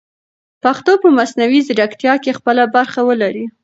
پښتو به په مصنوعي ځیرکتیا کې خپله برخه ولري.